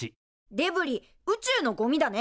デブリ宇宙のゴミだね。